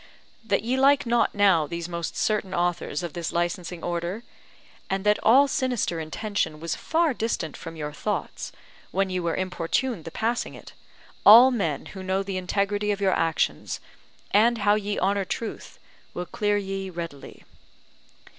That ye like not now these most certain authors of this licensing order, and that all sinister intention was far distant from your thoughts, when ye were importuned the passing it, all men who know the integrity of your actions, and how ye honour truth, will clear ye readily.